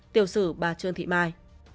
tiểu sử bà trương thị mai